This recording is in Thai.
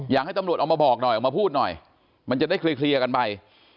อยากให้ตำรวจออกมาบอกหน่อยออกมาพูดหน่อยมันจะได้เคลียร์กันไป